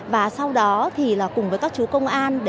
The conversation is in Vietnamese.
và sau đó thì là cùng với các chú công an